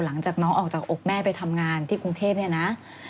หลังจากน้องออกจากอกแม่ไปทำงานที่กรุงเทพเนี่ยนะ